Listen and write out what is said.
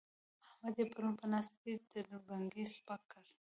احمد يې پرون په ناسته کې تر بڼکې سپک کړ.